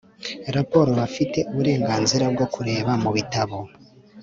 raporo Bafite uburenganzira bwo kureba mu bitabo